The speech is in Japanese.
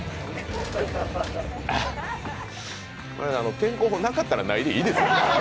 健康法、なかったらないでいいですよ。